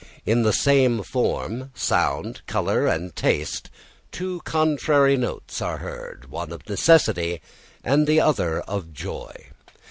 In the same form, sound, colour, and taste two contrary notes are heard, one of necessity and the other of joy.